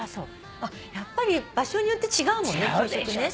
やっぱり場所によって違うもんね給食ね。